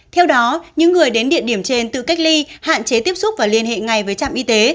theo đó những người đến địa điểm trên tự cách ly hạn chế tiếp xúc và liên hệ ngay với trạm y tế